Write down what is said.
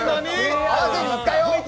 合わせにいったよ。